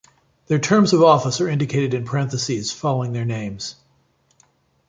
Their terms of office are indicated in parenthesis following their names.